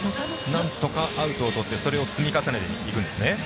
なんとか、アウトをとって積み重ねていくんですね。